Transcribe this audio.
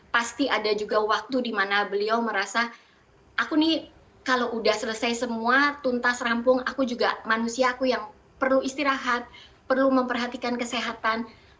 pasti ada juga waktu dimana beliau merasa aku nih kalau udah selesai semua tuntas rampung aku juga manusia aku yang perlu istirahat perlu memperhatikan kesehatan